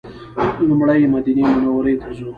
لومړی مدینې منورې ته ځو.